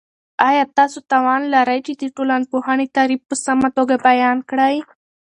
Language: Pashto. آیا تاسو توان لرئ چې د ټولنپوهنې تعریف په سمه توګه بیان کړئ؟